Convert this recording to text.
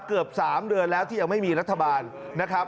เกือบ๓เดือนแล้วที่ยังไม่มีรัฐบาลนะครับ